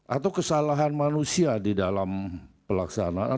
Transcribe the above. atau kesalahan manusia di dalam pelaksanaan